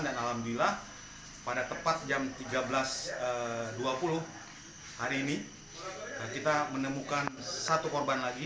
dan alhamdulillah pada tepat jam tiga belas dua puluh hari ini kita menemukan satu korban lagi